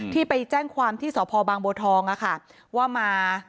ที่ไปแจ้งความที่สพบโบทองค์นะคะ